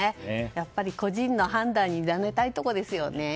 やっぱり個人の判断に委ねたいところですよね。